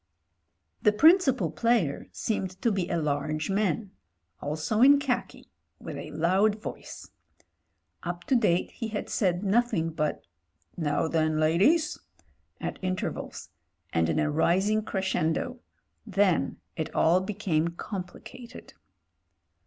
The principal player seemed to be a large man — also in khaki — ^with a loud voice. Up to date he had said nothing but ''Now then, ladies/' at intervals, and in a rising crescendo. Then it all became complicated.